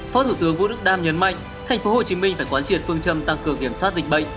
phó thủ tướng vũ đức đam nhấn mạnh hành phố hồ chí minh phải quán triệt phương châm tăng cường kiểm soát dịch bệnh